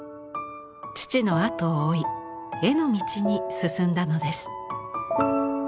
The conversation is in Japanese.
父のあとを追い絵の道に進んだのです。